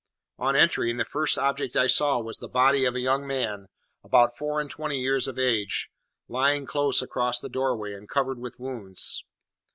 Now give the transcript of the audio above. On entering, the first object I saw was the body of a young man, about four and twenty years of age, lying close across the doorway, and covered with wounds.